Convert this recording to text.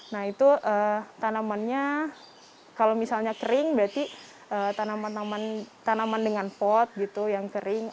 nah itu tanamannya kalau misalnya kering berarti tanaman tanaman tanaman dengan pot gitu yang kering